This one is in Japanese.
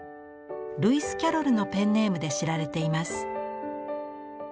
ルイス・キャロルのペンネームで知られています。